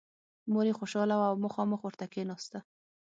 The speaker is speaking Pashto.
مور یې خوشحاله وه او مخامخ ورته کېناسته